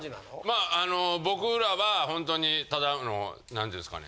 まあ僕らはほんとにただのなんて言うんですかね